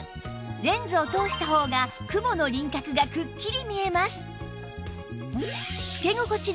レンズを通した方が雲の輪郭がくっきり見えます